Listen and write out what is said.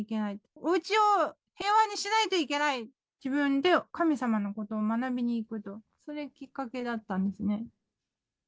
おうちを平和にしないといけない、自分で神様のことを学びに行くと、それ、きっかけだったんですね。